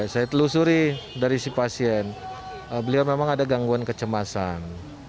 saya telusuri dari si pasien beliau memang ada gangguan kecemasan